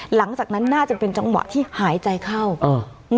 หลังจากนั้นน่าจะเป็นจังหวะที่หายใจเข้าอ่า